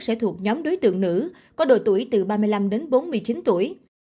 sẽ thuộc nhóm đối tượng nữ có độ tuổi từ ba mươi năm đến bốn mươi chín tuổi